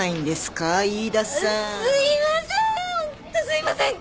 すいません！